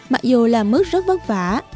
mặc dù làm mức rất vất vả